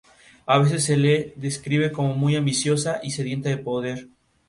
Crítica y comercialmente, contó con una recepción favorable.